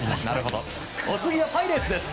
お次は、パイレーツです。